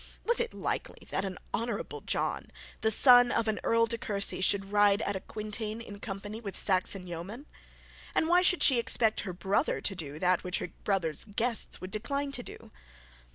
Was it likely that an honourable John, the son of the Earl de Courcy, should ride at a quintain in company with a Saxon yeoman? And why should she expect her brother to do that which her brother's guests would decline to do?